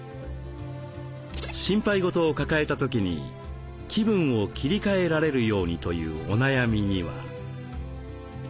心配事を抱えた時に気分を切り替えられるようにというお悩みには。